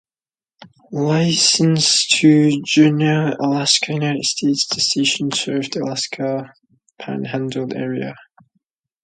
Licensed to Juneau, Alaska, United States, the station serves the Alaska Panhandle area.